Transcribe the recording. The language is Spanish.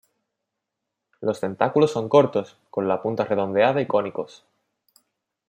Los tentáculos son cortos, con la punta redondeada y cónicos.